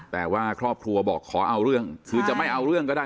แต่ว่าครอบครัวบอกขอเอาเรื่องคือจะไม่เอาเรื่องก็ได้